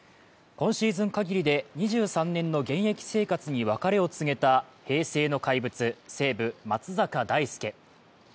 今シーズン限りで２３年の現役生活に別れを告げた平成の怪物、西武・松坂大輔。